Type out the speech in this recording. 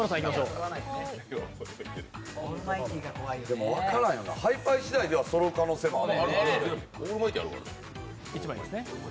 でも分からんよな、配パイしだいではそろう可能性もある。